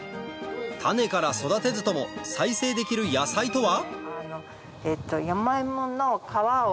種から育てずとも再生できる野菜とは？